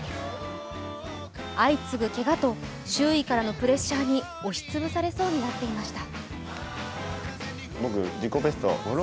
相次ぐけがと、周囲からのプレッシャーに押し潰されそうになっていました。